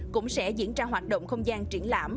cũng sẽ diễn ra hoạt động không gian triển lãm